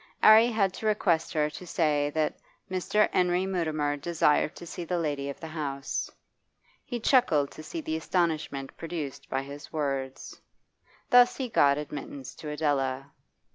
'Arry had to request her to say that 'Mr. 'Enery Mutimer' desired to see the lady of the house. He chuckled to see the astonishment produced by his words. Thus he got admittance to Adela.